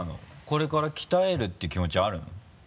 これから鍛えるって気持ちあるの？